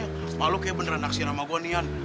kalau lo kayak beneran naksir sama gue nih yan